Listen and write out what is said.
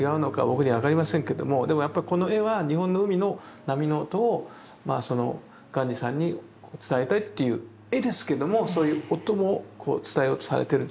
僕には分かりませんけどもでもやっぱこの絵は日本の海の波の音を鑑真さんに伝えたいっていう絵ですけどもそういう音も伝えようとされてるんじゃないかなって思いました。